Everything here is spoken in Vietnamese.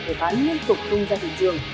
người bán liên tục tung ra thị trường